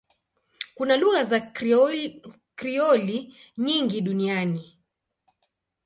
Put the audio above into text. Kuna lugha za Krioli nyingi duniani.